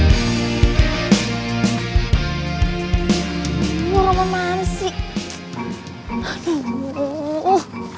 aku pasti irgendwannytujuan plug in satu ke satu